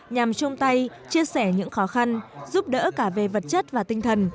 nhằm chung tay chia sẻ những khó khăn giúp đỡ cả về vật chất và tinh thần